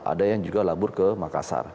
ada yang juga labur ke makassar